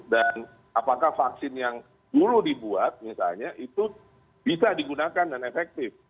dan apakah vaksin yang dulu dibuat misalnya itu bisa digunakan dan efektif